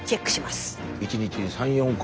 １日に３４個。